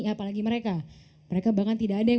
apalagi mereka mereka bahkan tidak ada yang